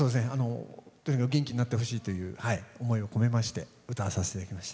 とにかく元気になってほしいという思いを込めまして歌わさせていただきました。